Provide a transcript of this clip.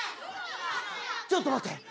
ちょっと待って。